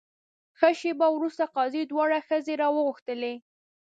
ښه شېبه وروسته قاضي دواړه ښځې راوغوښتلې.